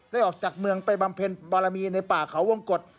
ออกจากเมืองไปบำเพ็ญบารมีในป่าเขาวงกฎ